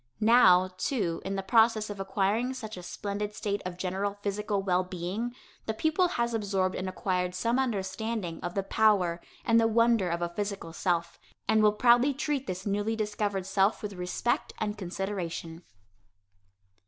Now, too, in the process of acquiring such a splendid state of general physical well being, the pupil has absorbed and acquired some understanding of the power and the wonder of a physical self, and will proudly treat this newly discovered self with respect and consideration.